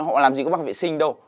họ làm gì có bằng vệ sinh đâu